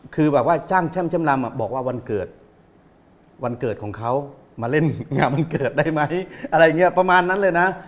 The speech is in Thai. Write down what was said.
คือแบบว่าจ้างแช่มแช่มลำบอกว่าวันเกิดวันเกิดของเขามาเล่นงานวันเกิดได้ไหมอะไรอย่างนี้ประมาณนั้นเลยนะ